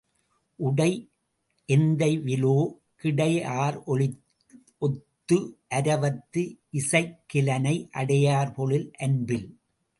உடை எந்தைவிலோ கிடைஆர் ஒலிஒத்து அரவத்து இசைக்கிலனை அடையார் பொழில் அன்பில்!